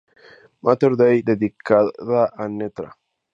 Mater Dei, dedicada a Ntra.